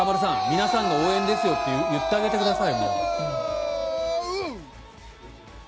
皆さんの応援ですよって言ってあげてください。